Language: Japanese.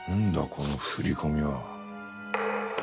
この振り込みは。